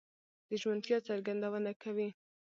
د ژمنتيا څرګندونه کوي؛